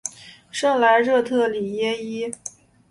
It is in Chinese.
圣莱热特里耶伊。